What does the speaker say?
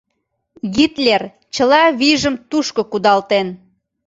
— Гитлер чыла вийжым тушко кудалтен.